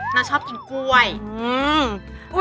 น่าชอบกินกล้วย